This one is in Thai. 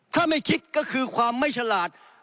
ถ้าไม่คิดก็คือความไม่ฉลาด